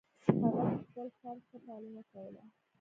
هغه د خپل خر ښه پالنه کوله.